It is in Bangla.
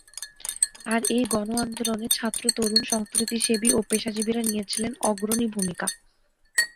আর এই গণ আন্দোলনে ছাত্র তরুণ সংস্কৃতিসেবী ও পেশাজীবীরা নিয়েছিলেন অগ্রণী ভূমিকা।